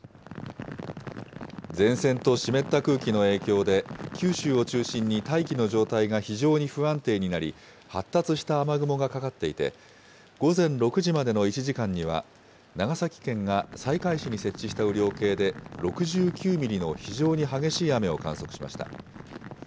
前線と湿った空気の影響で、九州を中心に大気の状態が非常に不安定になり、発達した雨雲がかかっていて、午前６時までの１時間には、長崎県が西海市に設置した雨量計で６９ミリの非常に激しい雨を観測しました。